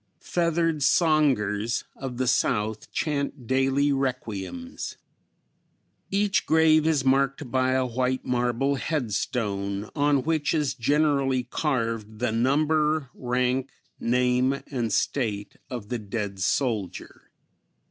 Feathered songers of the South chant daily requiems. Each grave is marked by a white marble headstone, on which is generally carved the number, rank, name and state of the dead soldier.